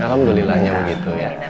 alhamdulillah nya begitu ya